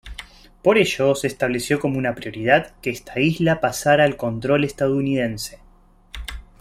Por ello, se estableció como una prioridad que esta isla pasara al control estadounidense.